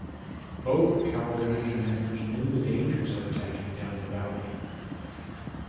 Both cavalry commanders knew the dangers of attacking down the valley.